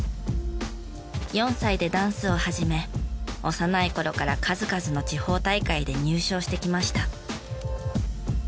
４歳でダンスを始め幼い頃から数々の地方大会で入賞してきました。